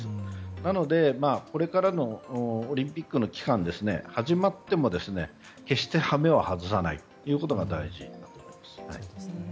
なのでこれからのオリンピックの期間始まっても決して羽目を外さないことが大事です。